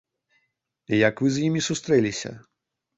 Як вы з імі сустрэліся?